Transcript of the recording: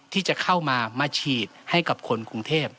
ที่จะเข้ามามาฉีดให้กับคนกรุงเทพ